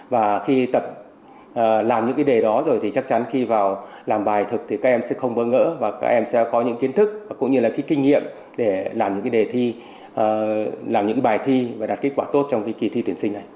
và khi tập làm những cái đề đó rồi thì chắc chắn khi vào làm bài thực thì các em sẽ không bơ ngỡ và các em sẽ có những kiến thức và cũng như là cái kinh nghiệm để làm những cái đề thi làm những bài thi và đạt kết quả tốt trong cái kỳ thi tuyển sinh này